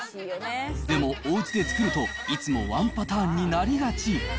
でも、おうちで作るといつもワンパターンになりがち。